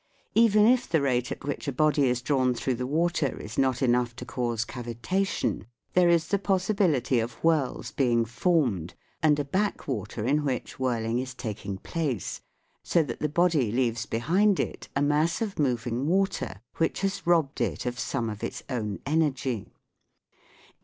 Even if the rate at which a body is drawn through the water is not enough to cause cavitation, there is the possibility of whirls being formed, and a backwater in which whirling is taking place, so that the body leaves behind it a mass of moving water which has robbed it of some of its own energy.